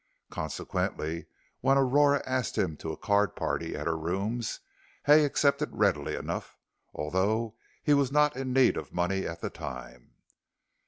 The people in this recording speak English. Consequently, when Aurora asked him to a card party at her rooms, Hay accepted readily enough, although he was not in need of money at the time.